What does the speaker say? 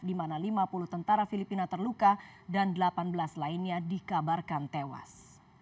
di mana lima puluh tentara filipina terluka dan delapan belas lainnya dikabarkan tewas